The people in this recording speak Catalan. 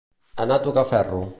Anar a tocar ferro.